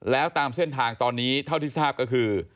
แล้วตามเส้นทางตอนนี้เท่าที่ทราบก็คือ